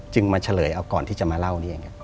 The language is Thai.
จึงมาเฉลยก่อนที่จะมาเล่า